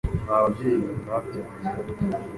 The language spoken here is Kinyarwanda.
Mwa babyeyi mwe mwabyaye